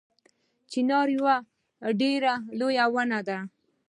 چنار یوه ډیره لویه ونه ده